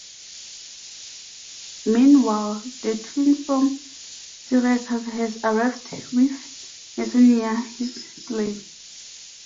Meanwhile, the twin from Syracuse has arrived with Messenio, his slave.